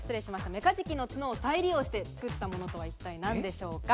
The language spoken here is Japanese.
メカジキのツノを再利用して作ったものとは一体何でしょうか？